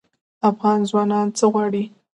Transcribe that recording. افغان ځوانان څه غواړي؟